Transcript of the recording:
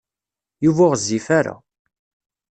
Yuba ur ɣezzif ara.